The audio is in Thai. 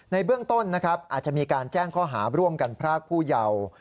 ในเบื้องต้นนะครับอาจจะมีการแจ้งข้อหาร่วมกันพรากผู้เยาว์